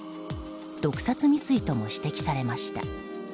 毒殺未遂とも指摘されました。